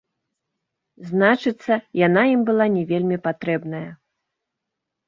Значыцца, яна ім была не вельмі патрэбная.